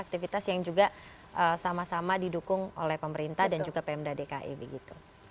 aktivitas yang juga sama sama didukung oleh pemerintah dan juga pmd dki begitu